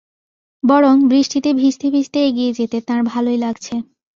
বরং বৃষ্টিতে ভিজতে-ভিজতে এগিয়ে যেতে তাঁর ভালোই লাগছে।